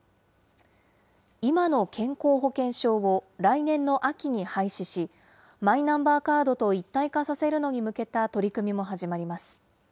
今の健康保険証を来年の秋に廃止し、マイナンバーカードと一体化させるのに向けた取り組みも始まります。